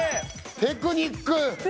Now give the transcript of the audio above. テクニック！